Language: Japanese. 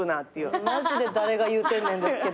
マジで誰が言うてんねんですけどね。